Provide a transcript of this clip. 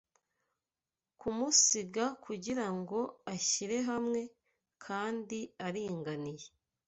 kumusiga kugirango ashyire hamwe, Kandi aringaniye